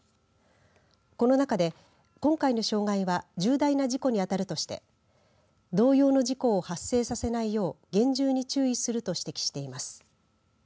この中で今回の障害は重大な事故に当たるとして同様の事故を発生させないよう厳重に注意すると指摘しています。